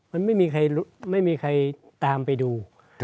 มันไม่มีใครตามไปดู